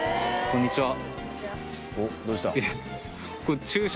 こんにちは。